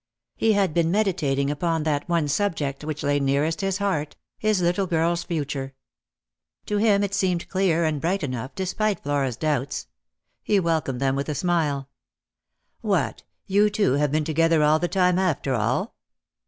He had been meditating upon that one subject which lay nearest his heart — his little girl's future. To him it seemed clear and bright enough, despite Flora's doubts. He welcomed them with a smile. " What ! you two have been together all the time, after all